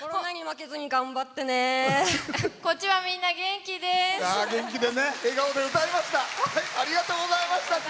こっちは、みんな元気です！